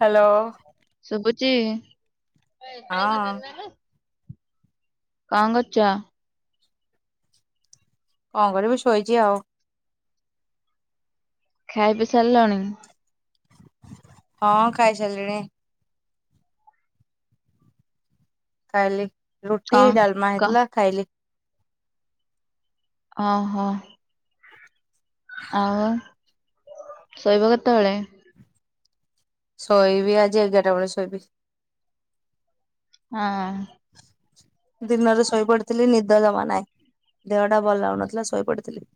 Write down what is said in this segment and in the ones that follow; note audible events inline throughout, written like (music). Hello. ଶୁବୁଛି। ହଁ କଣ କରୁଛ? କଣ କରିବି ଶୋଇଛି ଆଉ ଖାଇ ପି ସାରିଲଣି। ହଁ ଖାଇ ସାରିଲିଣି। ଖାଇଲି ରୁଟି କଣ ଡାଲମା କ ହେଇଥିଲା ଖାଇଲି। ଅ ହ। ଆଉ ଶୋଇବ କେତେବେଳେ? ଶୋଇବି ଆଜି ଏଗାରଟା ବେଳେ ଶୋଇବି। ହଁ। ଦିନରେ ଶୋଇ ପଡିଥିଲି ନିଦ ଜମା ନାହିଁ। ଦେହଟା ଭଲ ଲାଗଉନଥିଲା ଶୋଇ ପଡିଥିଲି।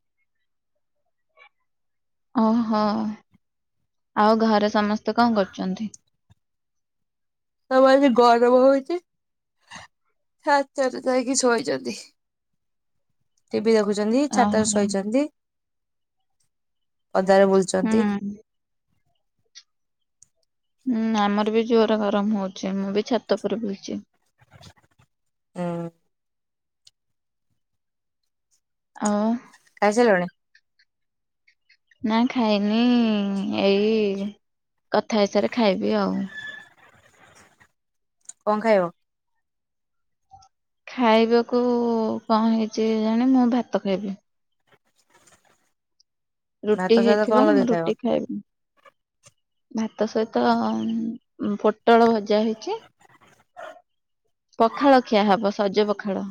ଓହୋ ଆଉ ଘରେ ସମସ୍ତେ କଣ କରୁଛନ୍ତି? ସମ ଆଜି ଗରମ ହଉଛି। ଛାତରେ ଯାଇ କିି ସୋଇ ଛନ୍ତି। ଟିଭି ଦେଖୁଛନ୍ତି ଛାତରେ ଓହୋ ଶୋଇଛନ୍ତି। ପଦାରେ ବୁଲୁଛନ୍ତି। ହୁଁ ହୁଁ ଆମର ବି ଜୋର ଗରମ ହଉଛି ମୁଁ ବି ଛାତ ଉପରେ ବୁଲୁଛି। ହୁଁ। ଆଉ? ଖାଇସାଇଲଣି? ନାଁ ଖାଇନି ଏଇ କଥା ହେଇସାରେ ଖାଇବି ଆଉ କଣ ଖାଇବ? ଖାଇବାକୁ କଣ ହେଇଛି ଜାଣିନି ମୁଁ ଭାତ ଖାଇବି। ରୁଟି ଭାତ ସହିତ କଣ ହେଇଥିବ ଲଗେଇ ମୁଁ ଖାଇବ ରୁଟି ଖାଇବିନି। ଭାତ ସହିତ ପୋଟଳ ଭଜା ହେଇଛି। ପଖାଳ ଖିଆ ହବ ସଜ ପଖାଳ।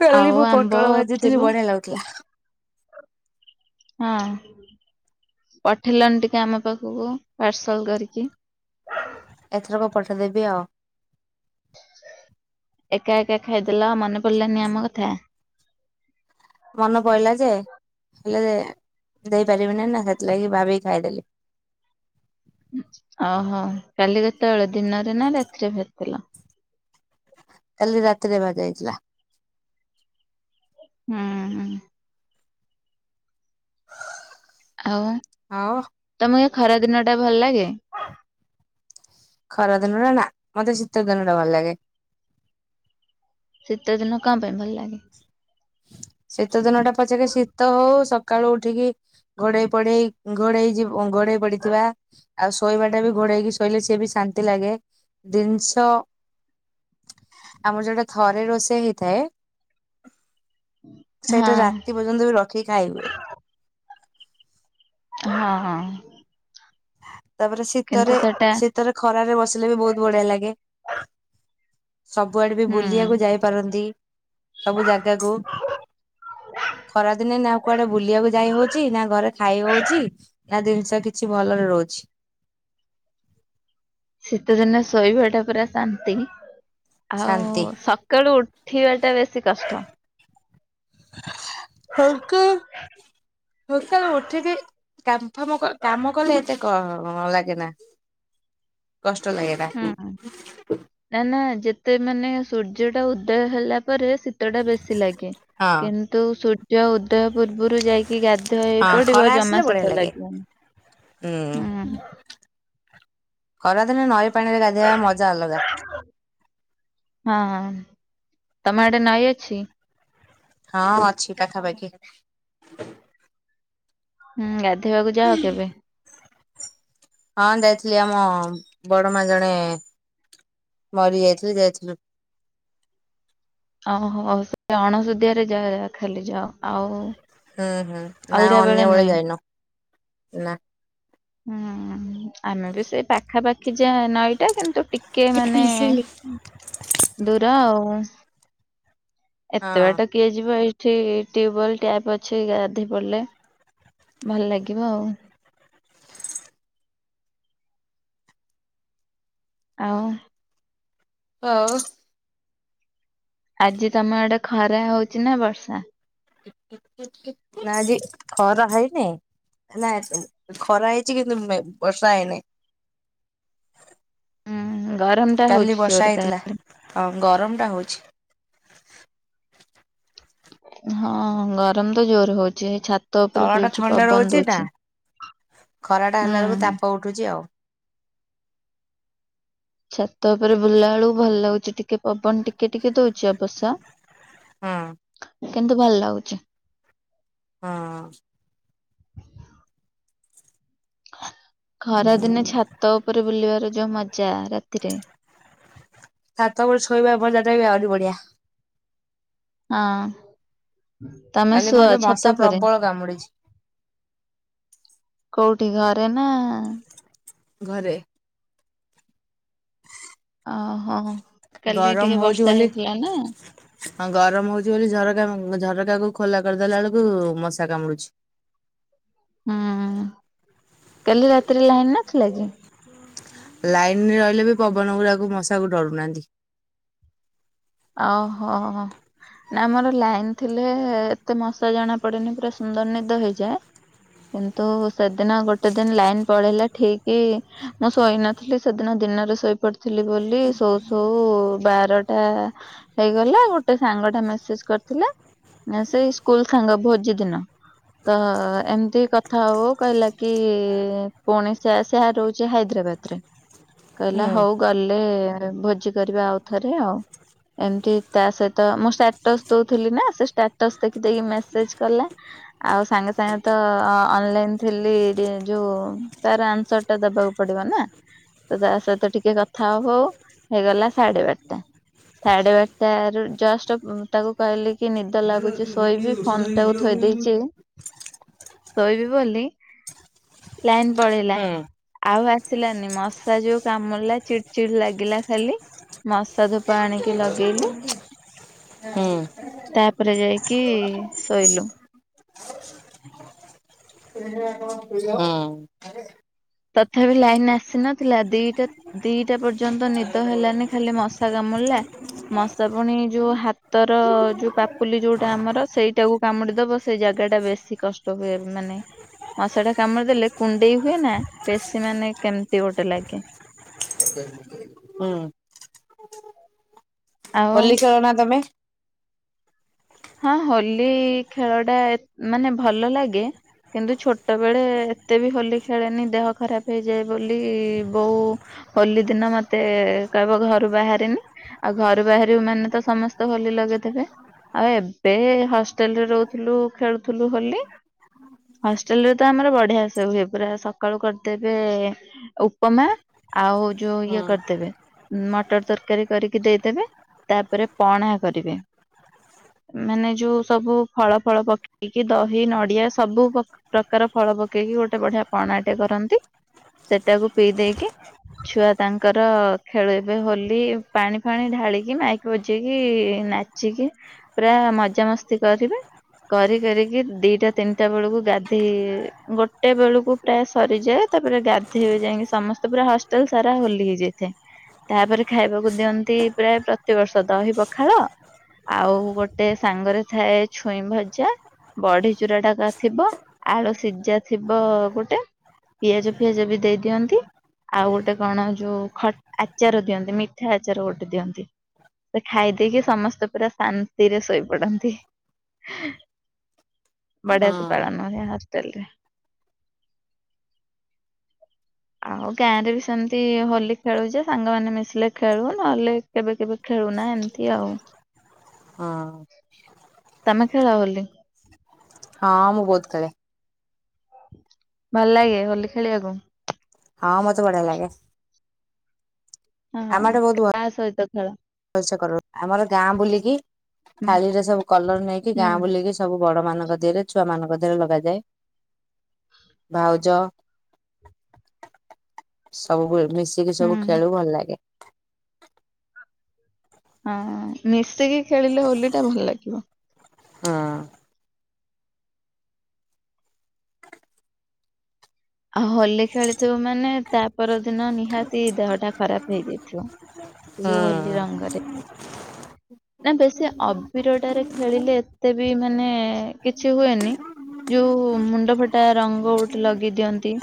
କାଲି ଆଉ ମୁଁ ଆମ୍ବ ପୋଟଳ ଭାଜିଥିଲି ଥିବ ବଢ଼ିଆ ଲାଗୁଥିଲା। ହଁ। ପଠେଇଲନି ଟିକେ ଆମ ପାଖକୁ ପାର୍ସଲ କରିକି। ଏଥରକ ପଠେଇଦେବି ଆଉ। ଏକା ଏକା ଖାଇଦେଲ ମନେ ପଡି଼ଲାନି ଆମ କଥା। ମନେ ପଡ଼ିଲା ଯେ ହେଲେ ଦେଇପାରିବିନି ନା ସେଥିଲାଗି ଭାବିକି ଖାଇଦେଲି। ଓ ହୋ କାଲି କେତେବେଳେ ଦିନରେ ନା ରାତିରେ ଖାଇଥିଲ? କାଲି ରାତିରେ ଭାଜା ହେଇଥିଲା। ହୁଁ ହୁଁ। ଆଉ ଆଉ ତମକୁ ଖରା ଦିନ ଟା ଭଲ ଲାଗେ? ଖରାଦିନ ଟା ନା ମତେ ଶୀତ ଦିନ ଟା ଭଲ ଲାଗେ। ଶୀତ ଦିନ କଣ ପାଇଁ ଭଲ ଲାଗେ? ଶୀତ ଦିନ ଟା ପଛକେ ଶୀତ ହଉ ସ ସକାଳୁ ଉଠିକି ଘୋଡ଼େଇ ପୋଡେ଼ଇ ଘୋଡେଇ ଯ ଘୋଡ଼େଇ ପଡ଼ିଥିବା ଆଉ ଶୋଇବା ଟା ବି ଘୋଡ଼େଇ ହେଇକି ଶୋଇଲେ ସିଏ ବି ଶାନ୍ତି ଲାଗେ ଜିନିଷ ଆମର ଯୋଉଟା ଥରେ ରୋଷେଇ ହେଇଥାଏ ସେଇଟା ହଁ ରାତି ପର୍ଯ୍ୟନ୍ତ ବି ରଖିକି ଖାଇ ହୁଏ। ହଁ ହଁ। ତାପରେ କିନ୍ତୁ ଶୀତରେ ସେଟା ଶୀତରେ ଖରାରେ ବସିଲେ ବି ବହୁତ୍ ବଢ଼ିଆ ଲାଗେ। ସବୁଆଡ଼େ ବି ହୁଁ ବୁଲିବାକୁ ଯାଇପାରନ୍ତି ସବୁ ଜାଗାକୁ। ଖରାଦିନେ ନା କୁଆଡେ ବୁଲିବାକୁ ଯାଇ ହଉଛି ନା ଘରେ ଖାଇ ହଉଛି। ନା ଜିନିଷ କିଛି ଭଲରେ ରହୁଛି। ଶୀତଦିନେ ଶୋଇବା ଟା ପୁରା ଶାନ୍ତି ଆଉ ଶାନ୍ତି ସକାଳୁ ଉ ଉଠିବାଟା ଟା ବେଶୀ କଷ୍ଟ। (unintelligible) ସକାଳୁ ଉଠିକି କାମ ଫାମ କାମ କଲେ ଏତେ କ ଲାଗେ ନା। କଷ୍ଟ ଲଗେନା। ହୁଁ। ନା ନା ଯେତେ ମାନେ ସୂର୍ଯ୍ୟ ଟା ଉଦୟ ହେଲା ପରେ ଶୀତ ଟା ବେଶୀ ଲାଗେ ହଁ କିନ୍ତୁ ସୂର୍ଯ୍ୟ ଉଦୟ ପୂର୍ବରୁ ଯାଇ କି ଗାଧେଇ ହଁ ପଡ଼ିବ ଖରା ଜମା ଆସିଲେ ବଢିଆ ଶୀତ ଲାଗେ ଲାଗିବନି ହୁଁ। ଖରାଦିନେ ନଈ ପାଣିରେ ଗାଧୋଇବା ମଜା ଅଲଗା। ହଁ ତମେ ଆଡେ଼ ନଈ ଅଛି? ହଁ ଅଛି ପାଖାପାଖି। ହୁଁ ଗାଧୋଇବାକୁ ଯାଅ କେବେ? ହଁ ଯାଇଥିଲି ଆମ ବଡ଼ ମା ଜଣେ ମରି ଯାଇଥିଲେ ଯାଇଥିଲୁ। ଓହୋ ସେ ଅଣସୁଧିଆରେ ଯାଅ ଖାଲି (unintelligible) ଆଉ। ହୁଁ ହୁଁ ନା ଅଲଗା ବେଳେ ଅନ୍ୟବେଳେ ନୁହେଁ। ଯାଇନୁ ନା। ହୁଁ ଆମେ ବି ସେଇ ପାଖାପାଖି ଯା ନଈଟା କିନ୍ତୁ ଟି କିଏ ହଁ ମାନେ ଦୂର ଆଉ। ଏତେ ବାଟ କିଏଯିବ ଏଇଠି ଟ୍ୟୁୟଲ ଟାଇପ ଅଛି ଗାଧୋଇ ପଡିଲେ ଭଲ ଲାଗିବ ଆଉ। ଆଉ ହୋଉ। ଆଜି ତମ ଆଡେ ଖରା ହଉଚି ନା ବର୍ଷା? ନା ଆଜି ଖରା ହେଇନି ନା ନା ଖରା ହେଇଛି କିନ୍ତୁ ବର୍ଷା ହେଇନି। ହୁଁ ଗରମ ଟା କାଲି ହଉଛି ବର୍ଷା ଜୋରେ ତାହେଲେ? ହେଇଥିଲା। ହଁ ଗରମଟା ହଉଛି। ହଁ ଗରମ ତ ଜୋରେ ହଉଛି, ଏଇ ଛା ତଳଟା ଥଣ୍ଡା ରହୁଛି ନା, ଖରାଟା ହେଲା ବେଳକୁ ହୁଁ। ତାପ ଉଠୁଛି ଆଉ। ଛାତ ଉପରେ ବୁଲିଲା ବେଳକୁ ଭଲ ଲାଗୁଛି, ଟିକେ ପବନ ଟିକେ ଟିକେ ଦଉଛି ଅବସ୍ୟ ହୁଁ କିନ୍ତୁ ଭଲ ଲାଗୁଚି। ହଁ। ଖରାଦିନେ ଛାତ ଉପରେ ବୁଲିବାର ଯୋଉ ମଜା ରାତିରେ ଛାତ ଉପରେ ଶୋଇବା ମଜାଟା ବି ଆହୁରି ବଢିଆ। ଆଁ ତମେ କାଲି ଶୁଅ ମତେ ମଶା ଛାତ ଉପରେ? ପ୍ରବଳ କାମୁଡିଛି। କୋଉଠି ଘରେ ନା ଘରେ। ଓହୋ କାଲି ଟିକେ ବର୍ଷା ହେଇଥିଲା ନା? ହଁ ଗରମ ହଉଛି ବୋଲି ଝରକା ଝରକାକୁ ଖୋଲା କରିଦେଲା ବେଳକୁ ମଶା କାମୁଡୁଛି। ହୁଁ କାଲି ରାତିରେ ଲାଇନ ନଥିଲା କି? ଲାଇନ ରହିଲେ ବି ପବନ ଗୁଡାକୁ ମଶାକୁ ଡରୁନାହାନ୍ତି। ଓହୋ ହୋ। ଆମର ଲାଇନ ଥିଲେ ଏତେ ମଶା ଜଣା ପଡେନି, ପୁରା ସୁନ୍ଦର ନିଦ ହେଇଯାଏ। କିନ୍ତୁ ସେଦିନ ଗୋଟେ ଦିନ ଲାଇନ ପଳେଇଲା ଠିକ ମୁଁ ଶୋଇନଥିଲି। ଥିଲି ସେଦିନ ଦିନରେ ଶୋଇପଡ଼ିଥିଲି ବୋଲି ଶୋଉ ଶୋଉ ବାରଟା ହେଇଗଲା, ଗୋଟେ ସାଙ୍ଗ ଟା ମେସେଜ କରିଥିଲା, ସେଇ ସ୍କୁଲ ସାଙ୍ଗ ଭୋଜି ଦିନ ତ ଏମିତି କଥା ହଉ ହଉ କହିଲା କି ପୁଣି ସେ ସିହା ରହୁଛି ହାଇଦ୍ରାବାଦ ହୁଁ କହିଲା ହଉ ଗଲେ ଭୋଜି କରିବା ଆଉଥରେ ଆଉ। ଏମିତି ତା ସହିତ ମୁଁ ଷ୍ଟାଟସ ଦଉଥିଲି ନା, ସେ ଷ୍ଟାଟସ ଦେଖି ଦେଇକି ମେସେଜ କଲା। ଆଉ ସାଙ୍ଗେ ସାଙ୍ଗେ ତ ଅନଲାଇନ ଥିଲି ଯୋଉ ତାର ଆନ୍ସର ଟା ଦବାକୁ ପଡିବନା, ତ ତା ସହିତ ଟିକେ କଥା ହଉ ହଉ ହେଇଗଲା ସାଢେ ବାରଟା। ସାଢେ ବାରଟା ରୁ ଜଷ୍ଟ ତାକୁ କହିଲି କି ନିଦ ଲାଗୁଛି ଶୋଇବି, ଫୋନ ହୁଁ ଟାକୁ ଥୋଇ ହୁଁ ଦେଇଚି ଶୋଇବି ବୋଲି ଲାଇନି ପଳେଇଲା। ଆଉ ଆସିଲାନି, ମଶା ଯୋଉ କାମୁଡ଼ିଲା ଚିଡି ଚିଡି ଲାଗିଲା ଖାଲି ମଶା ଧୁ ପାଣିକି ଲଗେଇଲି। ହୁଁ ତାପରେ ଯାଇକି ଶୋଇଲୁ। (unintelligible) (unintelligible) ହୁଁ। ତଥାପି ଲାଇନି ଆସିନଥିଲା ଦିଟା ଦିଟା ପର୍ଯ୍ୟନ୍ତ ନିଦ ହେଲାନି ଖାଲି ମଶା କାମୁଡ଼ିଲା। ମଶା ପୁଣି ଯୋଉ ହାତର ଯୋଉ ପାପୁଲି ଯୋଉଟା ଆମର ସେଇଟାକୁ କାମୁଡିଦବ ସେ ଜାଗା ଟା ବେଶୀ କଷ୍ଟ ହୁଏ, ମାନେ ମଶା ଟା କାମୁଡି ଦେଲେ କୁଣ୍ଡେଇ ହୁଏ ନା ବେଶୀ ମାନେ କେମତି ଗୋଟେ ଲାଗେ। (unintelligible) ଆଉ ହୋଲି ଖେଳନା ତମେ? ହଁ ହୋଲି ଖେଳ ଟା ଏ ମାନେ ଭଲ ଲାଗେ କିନ୍ତୁ ଛୋଟ ବେଳେ ଏତେ ବି ହୋଲି ଖେଳେନି ଦେହ ଖରାପ ହେଇଯାଏ ବୋଲି, ବଉ ହୋଲି ଦିନ ମତେ କହିବ ଘରୁ ବାହାରେନି। ଆଉ ଘରୁ ବାହାରିଵୁ ମାନେ ତ ସମସ୍ତେ ହୋଲି ଲଗେଇଦେବେ। ଆଉ ଏବେ ହଷ୍ଟେଲରେ ରହୁଥିଲୁ ଖେଳୁଥିଲୁ ହୋଲି। ହଷ୍ଟେଲରେ ତ ଆମର ବଢିଆ ସେ ହୁଏ ପୁରା ସକାଳୁ କରିଦେବେ। ଉପମା ଆଉ ଯୋଉ ଇଏ ହୁଁ କରିଦେବେ, ମଟର ତରକାରୀ କରିକି ଦେଇଦେବେ। ତାପରେ ପଣା କରିବେ। ମାନେ ଯୋଉ ସବୁ ଫଳ ଫଳ ପକେଇକି ଦହି ନଡିଆ ସବୁ ପକ ପ୍ରକାର ଫଳ ପକେଇକି ଗୋଟେ ବଢିଆ ପଣାଟେ କରନ୍ତି, ସେଟାକୁ ପିଇ ଦେଇେଇକି ଛୁଆ ତାଙ୍କର ଖେଳେ ଏବେ ହୋଲି ପାଣି ଫାଣି ଢାଳିକି ମାଇକି ବଜେଇକି ନାଚ ଚି କି ପ୍ରା ମଜା ମସ୍ତି କରିବେ। କରି କରିକି ଦିଟା ତିନିଟା ବେଳକୁ ଗାଧୋଇ ଗୋଟେ ବେଳକୁ ପ୍ରା ସରିଯାଏ ତାପରେ ଗାଧୋଇବେ ଯାଇକି ସମସ୍ତେ ପୁରା ହଷ୍ଟେଲ ସାରା ହୋଲି ହେଇଯାଇଥାଏ। ତାପରେ ଖାଇବାକୁ ଦିଅନ୍ତି ପ୍ରାୟ ପ୍ରତିବର୍ଷ ଦହି ପଖାଳ, ଆଉ ଗୋଟେ ସାଙ୍ଗରେ ଥାଏ ଛୁଇଁ ଭଜା। ବଢି ଚୁରା ଟାତ ଥିବ, ଆଳୁ ସିଝା ଥିବ ଗୋଟେ। ପିଆଜ ଫିଆଜ ବି ଦେଇ ଦିଅନ୍ତି। ଆଉ ଗୋଟେ କଣ ଯୋଉ ଖ ଆଚାର ଦିଅନ୍ତି, ମିଠା ଆଚାର ଗୋଟେ ଦିଅନ୍ତି। ସେ ଖାଇ ଦେଇକି ସମସ୍ତେ ପୁରା ଶାନ୍ତିରେ ଶୋଇପଡନ୍ତି। ବଢିଆ ସେ ହଁ ପାଳନ ହୁଏ ହଷ୍ଟେଲରେ। ଆଉ ଗାଁ ରେ ବି ସେମିତି ହୋଲି ଖେଳୁଛେ, ସାଙ୍ଗମାନେ ମିଶିଲେ ଖେଳୁ, ନହେଲେ କେବେ କେବେ ଖେଳୁନା ଏମିତି ଆଉ। ହଁ। ତମେ ଖେଳ ବୋଲି? ହଁ ମୁଁ ବହୁତ ଖେଳେ। ଭଲ ଲାଗେ ହୋଲି ଖେଳିବାକୁ? ହଁ ମତେ ବଢିଆ ଲାଗେ। ହଁ, ଆମ ଆଡେ ବହୁତ କାଆ ସହିତ? ଖେଳ ଭଲସେ କରବ, ଆମର ଗାଁ ବୁଲିକି ହୁଁ ଥାଳି ରେ ସବୁ କଲର ନେଇକି ହୁଁ ଗାଁ ବୁଲିକି ସବୁ ବଡ ମାନଙ୍କ ଦେହରେ ଛୁଆ ମାନଙ୍କ ଦେହରେ ଲଗାଯାଏ, ଭାଉଜ ସବୁ ହୁଏ, ମିଶିକି ସବୁ ହୁଁ। ଖେଳୁ ଭଲ ଲାଗେ। ହଁ, ମିଶିକି ଖେଳିଲେ ହୋଲି ଟା ଭଲ ଲାଗିବ। ହଁ ଆଉ ହୋଲି ଖେଳିଥିବ ମାନେ ତା ପର ଦିନ ନିହାତି ଦେହଟା ଖରାପ ହେଇଯାଇଥିବ। ଯେଉ ହୁଁ ହୋଲି ରଙ୍ଗରେ। ନା ବେଶୀ ଅବିରଟାରେ ଖେଳିଲେ ଏତେ ବି ମାନେ କିଛି ହୁଏନି। ଯୋଉ ମୁଣ୍ଡ ଫଟା ରଙ୍ଗ ଗୋଟେ ଲଗେଇ ଦିଅନ୍ତ ନ୍ତି,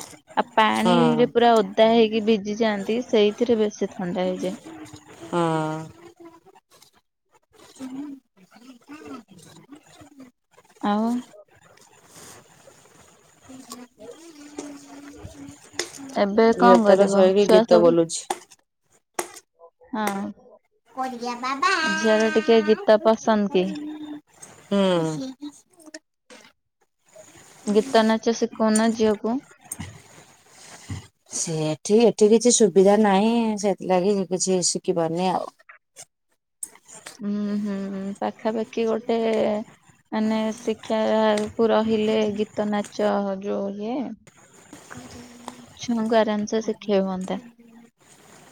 ଆଉ ହୁଁ ପାଣିରେ ପୁରା ଓଦା ହେଇକି ଭିଜି ଯାଆନ୍ତି, ସେଇଥିରେ ବେଶୀ ଥଣ୍ଡା ହେଇଯାଏ। ହଁ। ଆଉ। ଏବେ ଝିଅ କଣ ତକ କରିବ, ଶୋଇକି ଛୁଆ ଗୀତ ସବୁ ବୋଲୁଛି ହଁ ଝିଅର ଟିକେ ଗୀତ ପସନ୍ଦ କି? ହୁଁ। ଗୀତ, ନାଚ ଶିକୋଉନ ଝିଅକୁ। ସେ ଏଠି ଏଠି କିଛି ସୁବିଧା ନାହିଁ। ସେଥିଲାଗି କିଛି ଶିଖି ପାରୁନି ଆଉ। ଉଁ ହୁଁ ପାଖାପାଖି ଗୋଟେ ମାନେ ଶିକ୍ଷା କୁ ରହିଲେ ଗୀତ, ନାଚ ଯୋଉ ଇଏ (unintelligible) ଛୁଆଙ୍କୁ ଆରାମସେ ଶିଖେଇ ହୁଅନ୍ତା।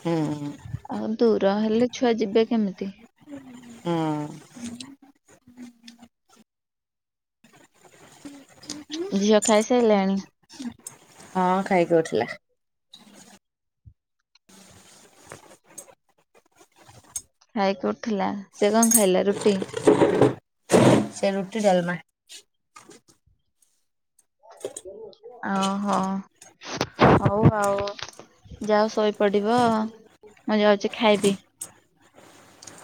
ହୁଁ ହୁଁ। ଆଉ ଦୂର ହେଲେ ଛୁଆ ଯିବେ କେମିତି। ହଁ। ଝିଅ ଖାଇସାଇଲାଣି? ହଁ ଖାଇକି ଉଠଲା। ଖାଇକି ଉଠିଲା। ସେ କଣ ଖାଇଲା ରୁଟି? ସେ ରୁଟି ଡାଲମା। ଓ ହୋ। ହୋଉ ଆଉ ଯାଅ ଶୋଇପଡିବ। ମୁଁ ଯାଉଚି ଖାଇବି।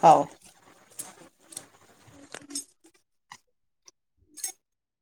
ହୋଉ।